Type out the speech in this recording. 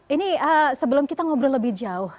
ini sebelum kita ngobrol lebih jauh